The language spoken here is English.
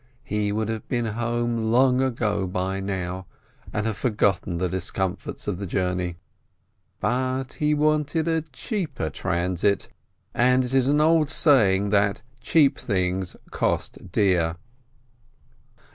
He would have been home long ago by now, and have forgotten the discomforts of the journey. But he had wanted a cheaper transit, and it is an old saying that cheap things cost dear.